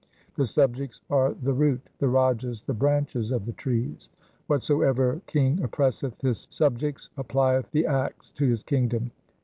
The subj ects are the root, the Rajas the branches of the trees. Whatsoever king oppresseth his subjects applieth the axe to his kingdom.